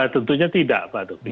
tentunya tidak pak duk